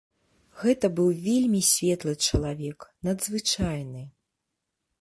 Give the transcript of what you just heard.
Гэта быў вельмі светлы чалавек, надзвычайны.